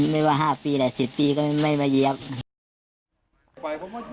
ไม่ว่า๕ปีแหละ๑๐ปีก็ไม่มาเย็บ